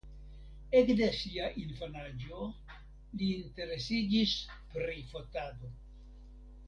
Ekde sia infanaĝo li interesiĝis pri fotado.